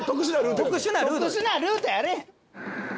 特殊なルートやあれへん。